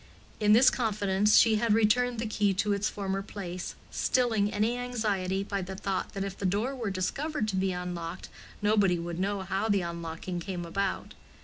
In this confidence she had returned the key to its former place, stilling any anxiety by the thought that if the door were discovered to be unlocked nobody would know how the unlocking came about.